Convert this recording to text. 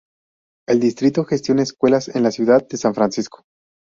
El distrito gestiona escuelas en la Ciudad de San Francisco.